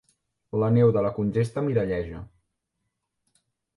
La neu de la congesta miralleja.